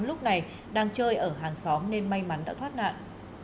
lúc này đang chơi ở hàng xóm nên may mắn đã thoát nạn